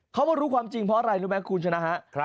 เขามารู้ความจริงเพราะอะไรรู้ไหมคุณชนะฮะ